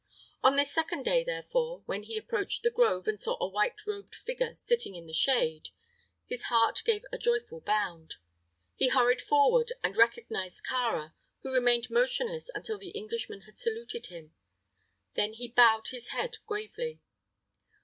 On this second day, therefore, when he approached the grove and saw a white robed figure sitting in the shade, his heart gave a joyful bound. He hurried forward and recognized Kāra, who remained motionless until the Englishman had saluted him. Then he bowed his head gravely.